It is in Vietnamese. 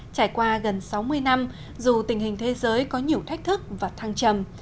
trải qua gần sáu mươi năm dù tình hình thế giới có nhiều thách thức và thăng trầm